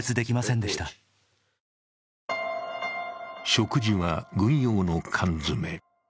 食事は軍用の缶詰。